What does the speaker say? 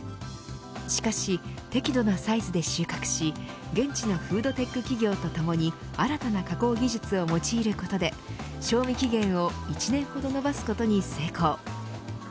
しかし適度なサイズで収穫し現地のフードテック企業とともに新たな加工技術を用いることで賞味期限を１年ほど延ばすことに成功。